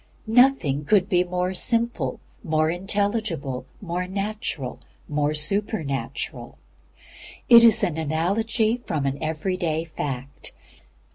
Nothing could be more simple, more intelligible, more natural, more supernatural. It is an analogy from an every day fact.